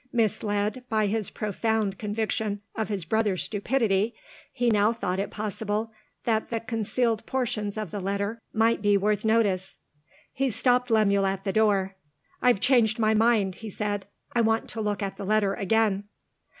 Misled by his profound conviction of his brother's stupidity, he now thought it possible that the concealed portions of the letter might be worth notice. He stopped Lemuel at the door. "I've changed my mind," he said; "I want to look at the letter again."